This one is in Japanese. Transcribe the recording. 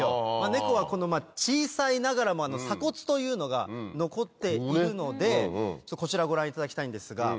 ネコは小さいながらも鎖骨というのが残っているのでこちらご覧いただきたいんですが。